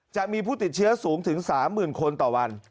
จะมีผู้ติดเชื้อสูงถึง๓๐๐๐คนต่อวัน